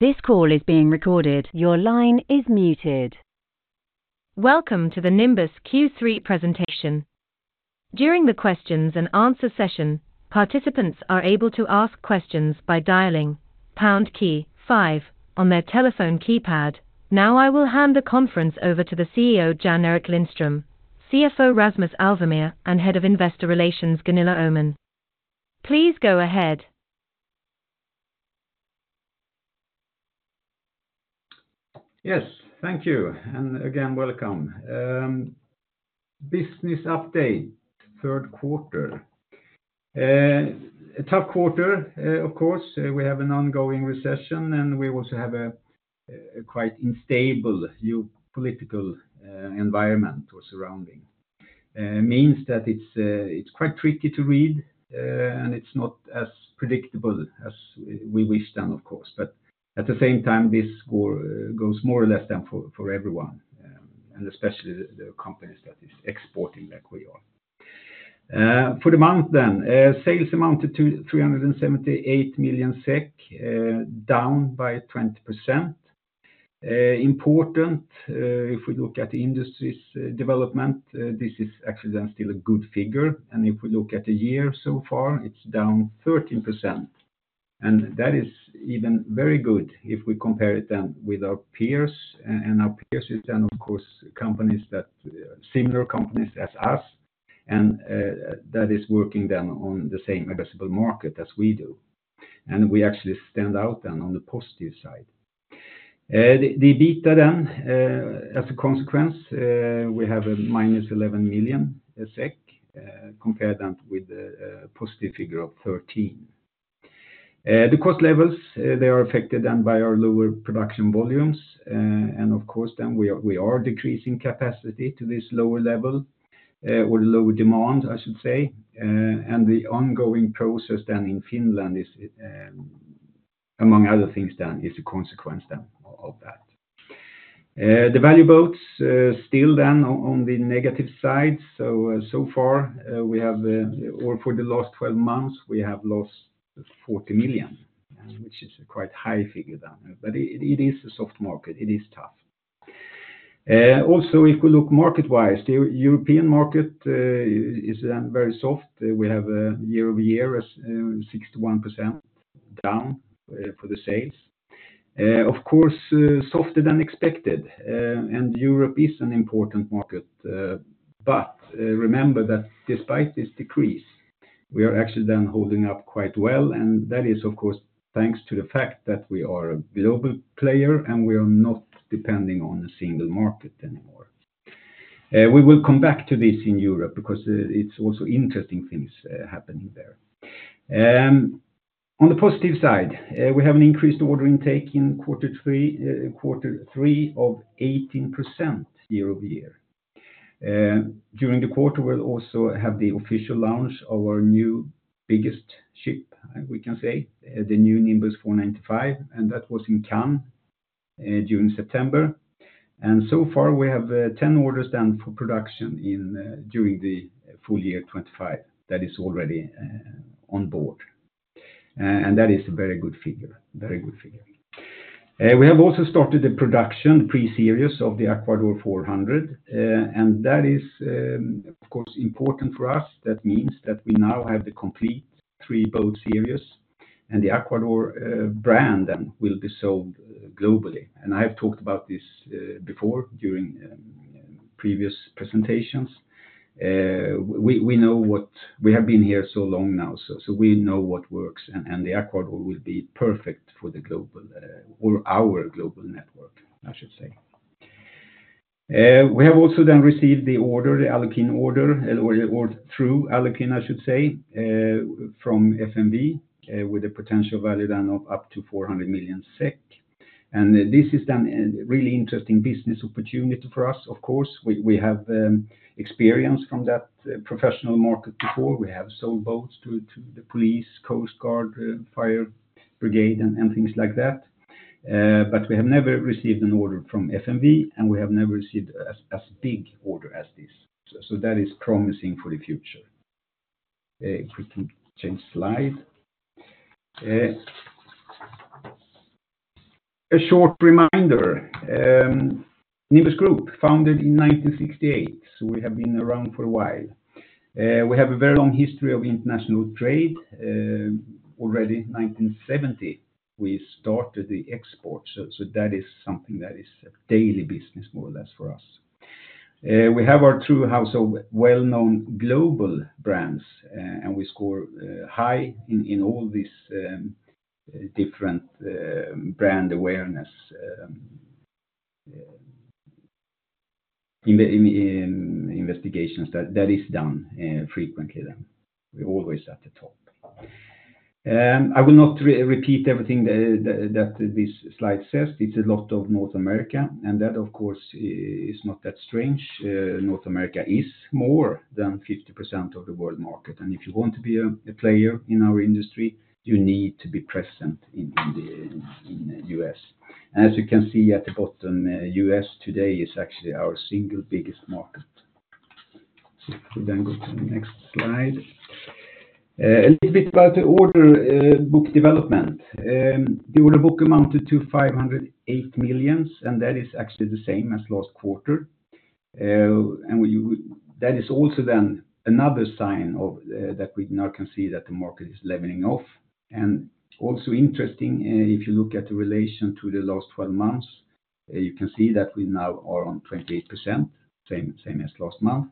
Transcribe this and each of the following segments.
This call is being recorded. Your line is muted. Welcome to the Nimbus Q3 presentation. During the questions and answer session, participants are able to ask questions by dialing pound key five on their telephone keypad. Now, I will hand the conference over to the CEO, Jan-Erik Lindström, CFO, Rasmus Alvemyr, and Head of Investor Relations, Gunilla Öhman. Please go ahead. Yes, thank you, and again, welcome. Business update, third quarter. A tough quarter, of course, we have an ongoing recession, and we also have a quite unstable new political environment or surrounding. Means that it's quite tricky to read, and it's not as predictable as we wish then, of course. But at the same time, this sort goes more or less the same for everyone, and especially the companies that is exporting like we are. For the quarter then, sales amounted to 378 million SEK, down by 20%. Important, if we look at the industry's development, this is actually then still a good figure, and if we look at the year so far, it's down 13%. That is even very good if we compare it then with our peers, and our peers is then, of course, companies that, similar companies as us, and that is working then on the same leisure market as we do. We actually stand out then on the positive side. The EBITDA then, as a consequence, we have a minus 11 million SEK, compared then with the positive figure of 13. The cost levels, they are affected then by our lower production volumes, and of course, then we are decreasing capacity to this lower level, or lower demand, I should say. The ongoing process then in Finland is, among other things, then is a consequence then of that. The value boats still then on the negative side. So far, or for the last twelve months, we have lost 40 million, which is quite high figure then, but it is a soft market. It is tough. Also, if we look market-wise, the European market is then very soft. We have a year-over-year 61% down for the sales. Of course, softer than expected, and Europe is an important market, but remember that despite this decrease, we are actually then holding up quite well, and that is, of course, thanks to the fact that we are a global player, and we are not depending on a single market anymore. We will come back to this in Europe because it's also interesting things happening there. On the positive side, we have an increased order intake in Q3 of 18% year-over-year. During the quarter, we'll also have the official launch of our new biggest ship, we can say, the new Nimbus 495, and that was in Cannes during September. And so far, we have 10 orders done for production during the full year 2025. That is already on board. And that is a very good figure, very good figure. We have also started the production pre-series of the Aquador 400, and that is of course important for us. That means that we now have the complete three boat series, and the Aquador brand then will be sold globally. And I have talked about this before during previous presentations. We have been here so long now, so we know what works, and the Aquador will be perfect for the global, or our global network, I should say. We have also then received the order, the Alukin order, or through Alukin, I should say, from FMV, with a potential value then of up to 400 million SEK, and this is then a really interesting business opportunity for us, of course. We have experience from that professional market before. We have sold boats to the police, coast guard, fire brigade, and things like that, but we have never received an order from FMV, and we have never received as big order as this, so that is promising for the future, if we can change slide. A short reminder, Nimbus Group, founded in 1968, so we have been around for a while. We have a very long history of international trade. Already in 1970, we started the export, so that is something that is daily business, more or less for us. We have our house of well-known global brands, and we score high in all these different brand awareness in the investigations that is done frequently then. We're always at the top. I will not repeat everything that this slide says. It's a lot of North America, and that, of course, is not that strange. North America is more than 50% of the world market, and if you want to be a player in our industry, you need to be present in the U.S. As you can see at the bottom, U.S. today is actually our single biggest market. So we then go to the next slide. A little bit about the order book development. The order book amounted to 508 million SEK, and that is actually the same as last quarter. That is also then another sign that we now can see that the market is leveling off. And also interesting, if you look at the relation to the last twelve months, you can see that we now are on 28%, same as last month.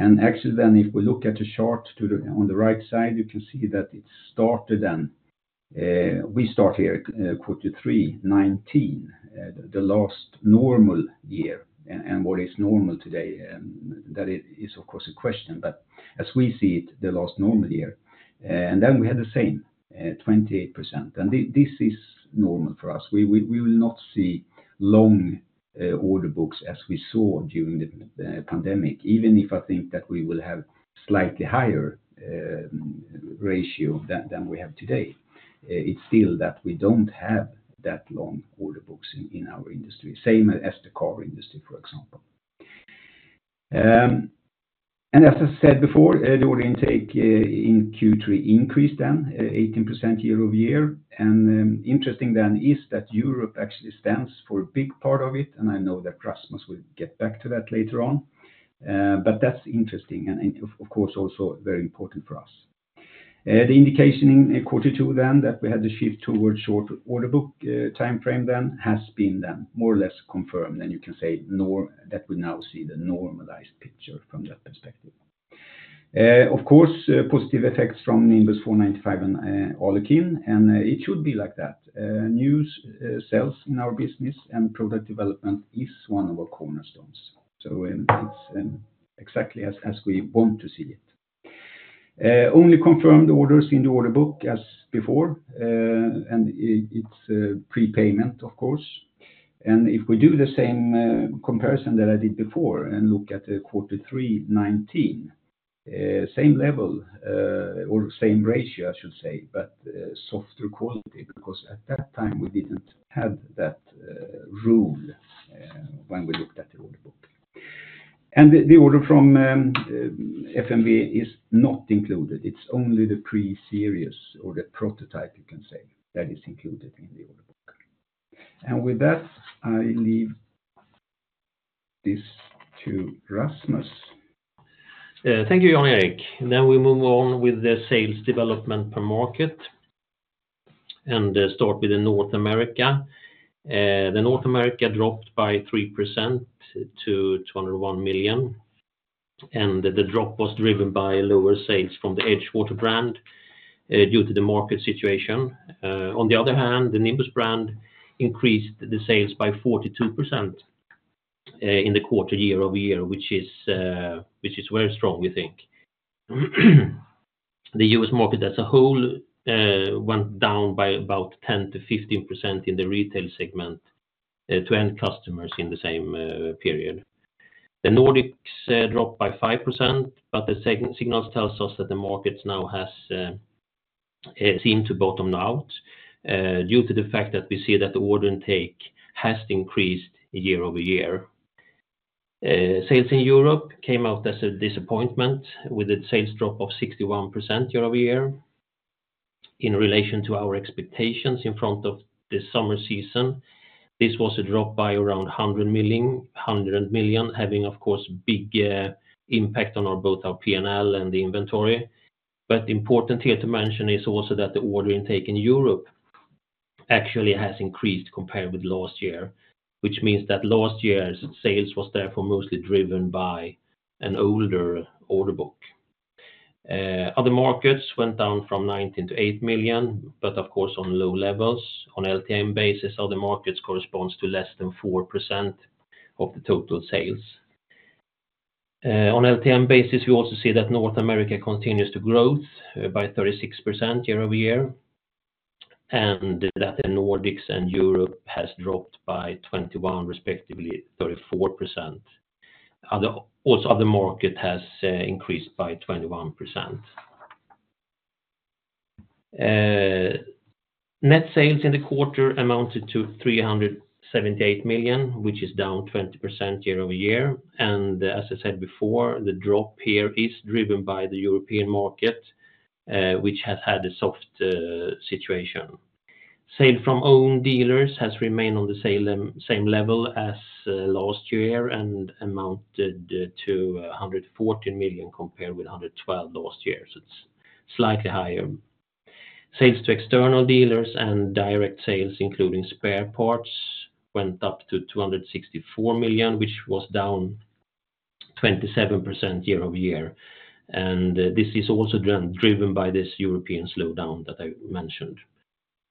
Actually, then, if we look at the chart to the one on the right side, you can see that it started then. We start here, Q3 2019, the last normal year, and what is normal today, that is of course a question, but as we see it, the last normal year. Then we had the same 28%, and this is normal for us. We will not see long order books as we saw during the pandemic, even if I think that we will have slightly higher ratio than we have today. It's still that we don't have that long order books in our industry, same as the car industry, for example. And as I said before, the order intake in Q3 increased then 18% year-over-year. And interesting then is that Europe actually stands for a big part of it, and I know that Rasmus will get back to that later on. But that's interesting, and of course also very important for us. The indication in quarter two then that we had to shift towards short order book timeframe then has been then more or less confirmed, and you can say that we now see the normalized picture from that perspective. Of course, positive effects from Nimbus 495 and Alukin, and it should be like that. New sales in our business and product development is one of our cornerstones. So, it's exactly as we want to see it. Only confirmed orders in the order book as before, and it's prepayment, of course. And if we do the same comparison that I did before and look at the Q3 2019, same level, or same ratio, I should say, but softer quality, because at that time, we didn't have that rule when we looked at the order book. And the order from FMV is not included. It's only the pre-series or the prototype, you can say, that is included in the order book. And with that, I leave this to Rasmus. Thank you, Jan-Erik. Now, we move on with the sales development per market, and start with the North America. The North America dropped by 3% to 201 million, and the drop was driven by lower sales from the EdgeWater brand, due to the market situation. On the other hand, the Nimbus brand increased the sales by 42% in the quarter year-over-year, which is very strong, we think. The U.S. market as a whole went down by about 10-15% in the retail segment to end customers in the same period. The Nordics dropped by 5%, but the signals tells us that the markets now has seemed to bottom out, due to the fact that we see that the order intake has increased year-over-year. Sales in Europe came out as a disappointment, with its sales drop of 61% year-over-year in relation to our expectations in front of the summer season. This was a drop by around 100 million, having, of course, big impact on our both our P&L and the inventory. But important here to mention is also that the order intake in Europe actually has increased compared with last year, which means that last year's sales was therefore mostly driven by an older order book. Other markets went down from 19 million to 8 million, but of course, on low levels. On LTM basis, other markets corresponds to less than 4% of the total sales. On LTM basis, we also see that North America continues to grow by 36% year-over-year, and that the Nordics and Europe has dropped by 21%, respectively, 34%. Also, other market has increased by 21%. Net sales in the quarter amounted to 378 million, which is down 20% year-over-year. And as I said before, the drop here is driven by the European market, which has had a soft situation. Sales from own dealers has remained on the same level as last year and amounted to 114 million, compared with 112 million last year. So it's slightly higher. Sales to external dealers and direct sales, including spare parts, went up to 264 million, which was down 27% year-over-year, and this is also driven by this European slowdown that I mentioned.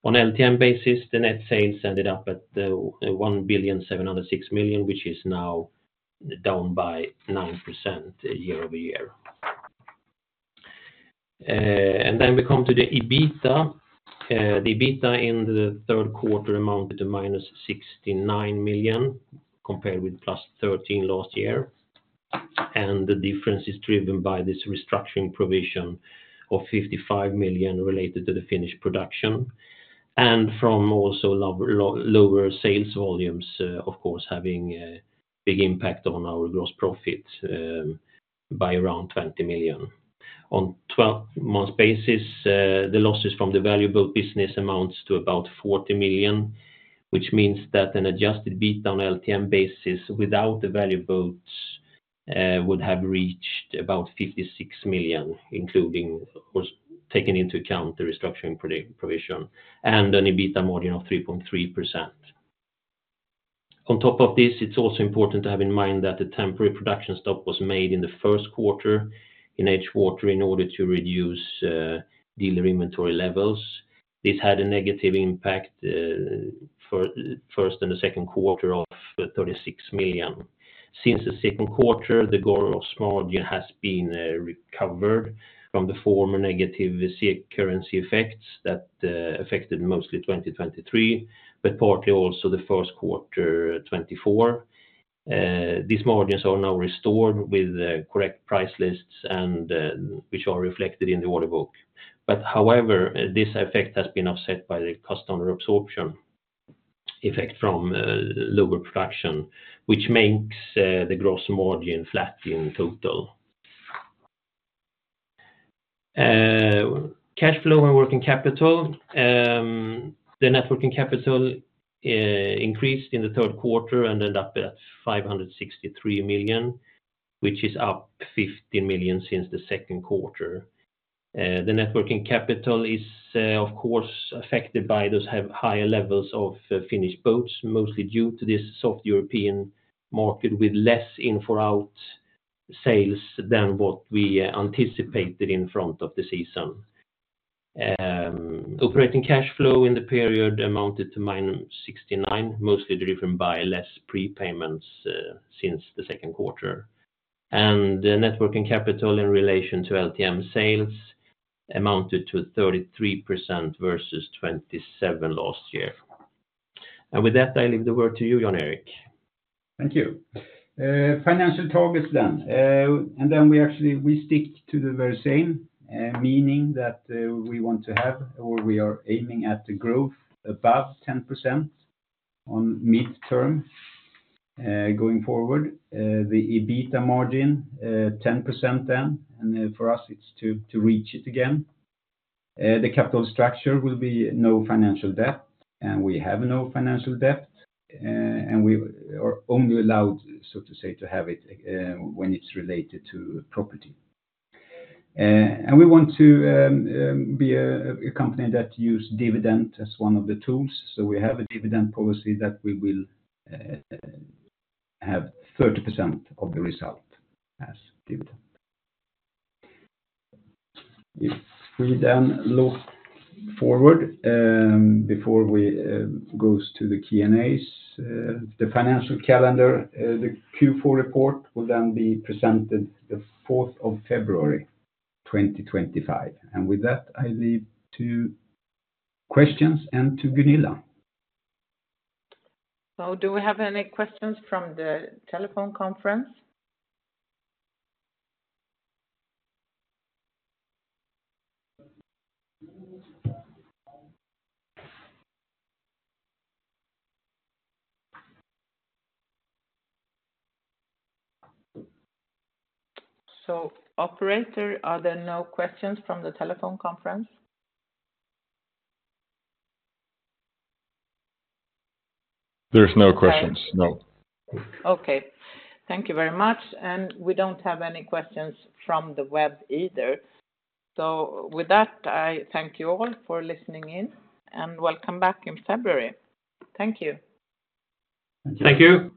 On LTM basis, the net sales ended up at 1,706 million, which is now down by 9% year-over-year. And then we come to the EBITDA. The EBITDA in the third quarter amounted to minus 69 million, compared with plus 13 million last year. And the difference is driven by this restructuring provision of 55 million related to the Finnish production and from also lower sales volumes, of course, having a big impact on our gross profit by around 20 million. On a twelve-month basis, the losses from the valuable business amount to about 40 million, which means that an adjusted EBIT on LTM basis without the value boats would have reached about 56 million, including, of course, taking into account the restructuring provision, and an EBITDA margin of 3.3%. On top of this, it's also important to have in mind that the temporary production stop was made in the first quarter in EdgeWater in order to reduce dealer inventory levels. This had a negative impact for first and the second quarter of 36 million. Since the second quarter, the gross margin has been recovered from the former negative currency effects that affected mostly 2023, but partly also the first quarter, 2024. These margins are now restored with correct price lists and which are reflected in the order book. But however, this effect has been offset by the cost absorption effect from lower production, which makes the gross margin flat in total. Cash flow and working capital, the net working capital, increased in the third quarter and ended up at 563 million, which is up 15 million since the second quarter. The net working capital is of course affected by those higher levels of finished boats, mostly due to this soft European market, with less in for out sales than what we anticipated in front of the season. Operating cash flow in the period amounted to -69 million, mostly driven by less prepayments since the second quarter. The net working capital in relation to LTM sales amounted to 33% versus 27% last year. With that, I leave the word to you, Jan-Erik. Thank you. Financial targets, then, and then we actually stick to the very same, meaning that we want to have, or we are aiming at the growth above 10% on midterm, going forward. The EBITDA margin 10% then, and then for us, it's to reach it again. The capital structure will be no financial debt, and we have no financial debt, and we are only allowed, so to say, to have it when it's related to property, and we want to be a company that use dividend as one of the tools, so we have a dividend policy that we will have 30% of the result as dividend. If we then look forward, before we goes to the Q&As, the financial calendar, the Q4 report will then be presented the 4th of February, 2025, and with that, I leave to questions and to Gunilla. So do we have any questions from the telephone conference? So operator, are there no questions from the telephone conference? There's no questions, no. Okay. Thank you very much. And we don't have any questions from the web either. So with that, I thank you all for listening in, and welcome back in February. Thank you. Thank you.